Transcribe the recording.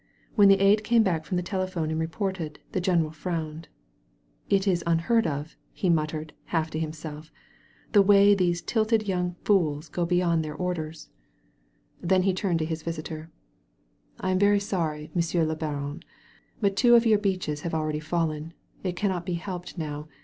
When the aide came back from the tdephone and reported, the general frowned. "It is unheard of," he muttered, half to himself, "the way those titled yoxmg fools go beyond their orders." 60 A SANCTUARY OP TREES Then he turned to his visitor. "I am very sorry. Monsieur le Baroriy but two of your beeches have akeady fallen. It cannot be helped now.